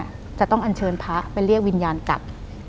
จะจึงต้องอันเชิญพระเพื่อไปเรียกวิญญาณกับ